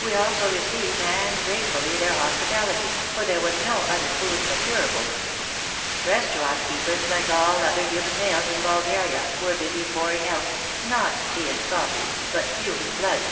We also received, and grate fully, their hospitality, for there was no other food procurable. Restaurant keepers, like all other human males in Bulgaria, were busy pouring out, not tea and coffee, but human blood.